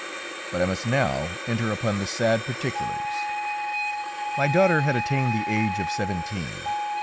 But I must now enter upon the sad particulars. My daughter had attained the age of seventeen.